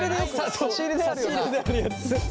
そう差し入れであるやつ。